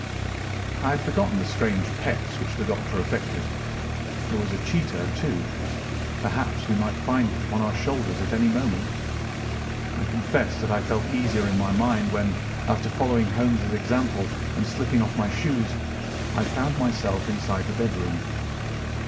I had forgotten the strange pets which the Doctor affected. There was a cheetah, too; perhaps we might find it upon our shoulders at any moment. I confess that I felt easier in my mind when, after following Holmes' example and slipping off my shoes, I found myself inside the bedroom.